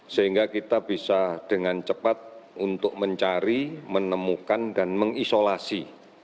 sehingga kita bisa dengan cepat untuk mencari menemukan dan mengisolasi